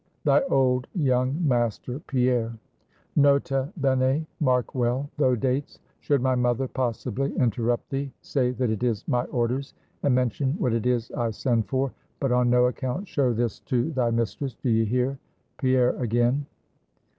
"Thy old young master, PIERRE. "Nota bene Mark well, though, Dates. Should my mother possibly interrupt thee, say that it is my orders, and mention what it is I send for; but on no account show this to thy mistress D'ye hear? PIERRE again."